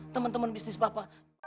teman teman bisnis papa